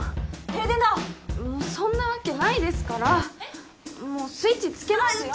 停電だもうそんなわけないですからもうスイッチつけますよ